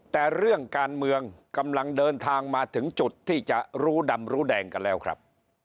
แต่เรื่องการเมืองกำลังเดินทางมาถึงจุดที่จะรู้ดำรู้แดงกันแล้วครับ